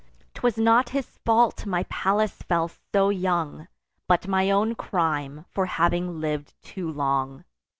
'Twas not his fault, my Pallas fell so young, But my own crime, for having liv'd too long.